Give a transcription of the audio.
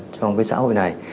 trong xã hội này